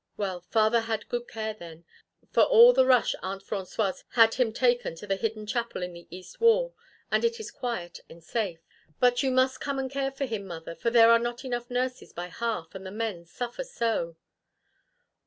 Well, father had good care then, for all the rush Aunt Francoise had him taken to the hidden chapel in the east wall, and it is quiet and safe. But you must come and care for him, mother, for there are not enough nurses by half, and the men suffer so."